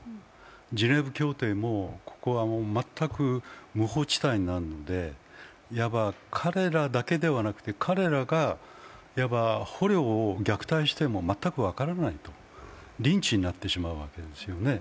ジュネーブ協定もここは全く無法地帯なんで、いわば彼らだけではなくて彼らが捕虜を虐待しても全く分からないと、リンチになってしまうわけですよね。